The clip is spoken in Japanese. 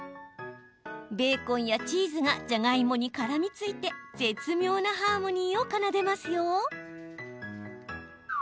ベーコンやチーズがじゃがいもにからみついて絶妙なハーモニーを奏でますよ。